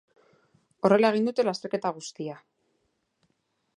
Horrela egin dute lasterketa guztia.